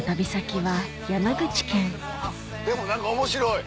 でも何か面白い。